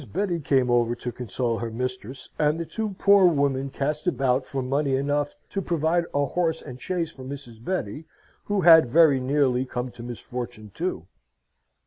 Betty came over to console her mistress: and the two poor women cast about for money enough to provide a horse and chaise for Mrs. Betty, who had very nearly come to misfortune, too.